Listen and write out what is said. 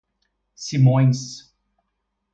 Simões